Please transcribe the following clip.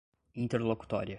interlocutória